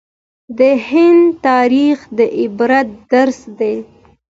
د هند تاریخ د عبرت درس دی.